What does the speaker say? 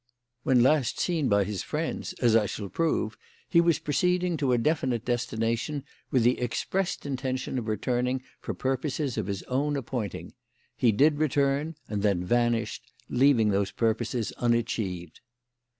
When last seen by his friends, as I shall prove, he was proceeding to a definite destination with the expressed intention of returning for purposes of his own appointing. He did return and then vanished, leaving those purposes unachieved.